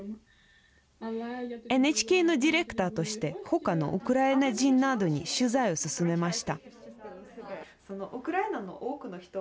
ＮＨＫのディレクターとして、ほかのウクライナ人などに取材を進めました。